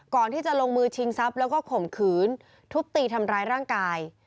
ก่อนที่จะลงมือชิงทรัพย์แล้วก็ข่มขืนทุบตีทำร้ายร่างกาย